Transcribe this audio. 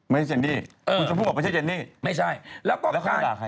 ไม่ใช่เจนี่คุณจะพูดว่าไม่ใช่เจนี่แล้วเขาด่าใคร